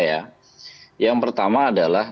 ya yang pertama adalah